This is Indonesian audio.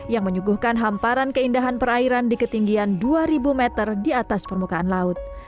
yang menyuguhkan hamparan keindahan perairan di ketinggian dua ribu meter di atas permukaan laut